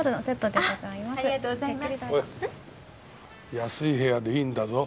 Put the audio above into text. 安い部屋でいいんだぞ。